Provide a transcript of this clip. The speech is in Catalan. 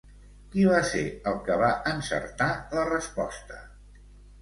Qui va ser el que va encertar la resposta?